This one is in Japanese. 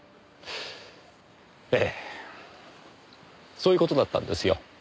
ええそういう事だったんですよ。